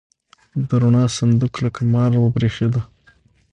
د رڼا صندوق لکه مار وپرشېده.